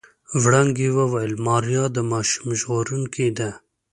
وړانګې وويل ماريا د ماشوم ژغورونکې ده.